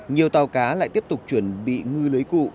nhiều tàu cá lại tiếp tục chuẩn bị ngư lưới cụ